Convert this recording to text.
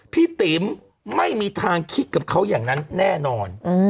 ติ๋มไม่มีทางคิดกับเขาอย่างนั้นแน่นอน